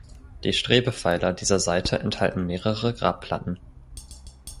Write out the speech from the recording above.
Die Strebepfeiler dieser Seite enthalten mehrere Grabplatten.